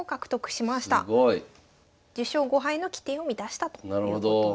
すごい。１０勝５敗の規定を満たしたということです。